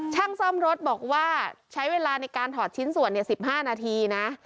ช่างซ่อมรถบอกว่าใช้เวลาในการถอดชิ้นส่วน๑๕นาทีนะ